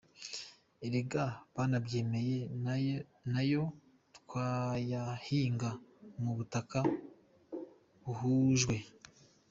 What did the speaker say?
Erega banabyemeye na yo twayahinga ku butaka buhujwe.